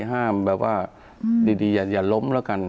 ห้ามแบบว่าดีอย่าล้มแล้วกัน